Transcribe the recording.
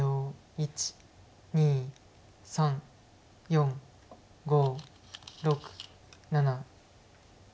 １２３４５６７。